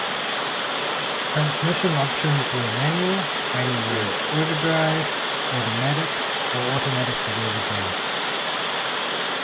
Transmission options were manual, manual with overdrive, automatic, or automatic with overdrive.